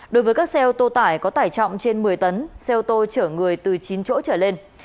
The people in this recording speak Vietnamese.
đối với các xe ô tô tải có tải trọng trên một mươi tấn xe ô tô chở người từ chín chỗ trở lên